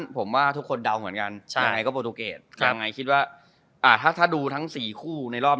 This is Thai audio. ผมคิดว่าอ่ะถ้าดูทั้งการอีก๔คู่ครับ